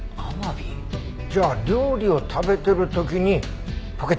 じゃあ料理を食べてる時にポケットに入ったんだね。